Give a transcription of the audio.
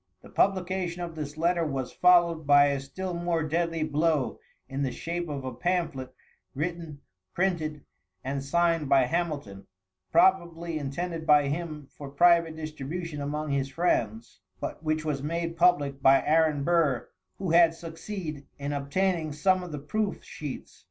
The publication of this letter was followed by a still more deadly blow in the shape of a pamphlet, written, printed and signed by Hamilton, probably intended by him for private distribution among his friends, but which was made public by Aaron Burr, who had succeed in obtaining some of the proof sheets.